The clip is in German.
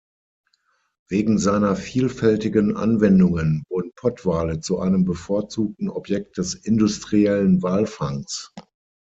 Wegen seiner vielfältigen Anwendungen wurden Pottwale zu einem bevorzugten Objekt des industriellen Walfangs.